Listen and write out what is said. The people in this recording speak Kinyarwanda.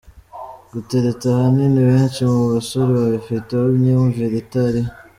Gutereta ahanini benshi mu basore babifiteho imyumvire itariyo.